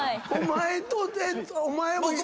お前とお前も。